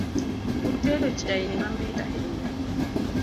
Utedo chaini mamit ahinya